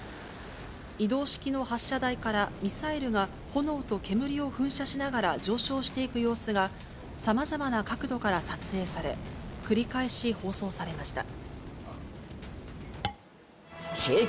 移動式の発射台から、ミサイルが炎と煙を噴射しながら上昇していく様子が、さまざまな角度から撮影され、繰り返し放送されました。